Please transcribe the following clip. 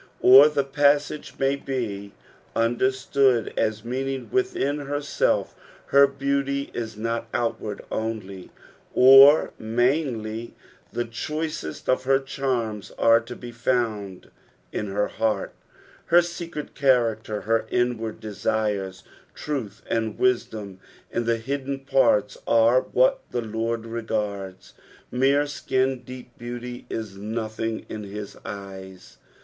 Or the passage may be understood as meanmg within herself — her beauty is not outward only or mainly ; the chniceat of her charms are to be found in her heart, her secret character, her inward desires. Truth and wisdom in the hidden parts are what the Lord regards; mere skin deep beauty is nothing in his eyes.